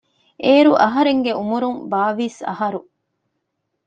އޭރު އަހަރެންގެ އުމުރުން ބާވީސް އަހަރު